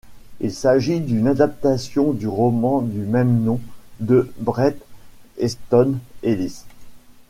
Il s'agit d'une adaptation du roman du même nom de Bret Easton Ellis.